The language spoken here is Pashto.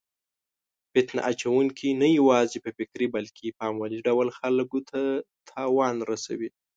فتنه اچونکي نه یوازې په فکري بلکې په عملي ډول خلکو ته زیان رسوي.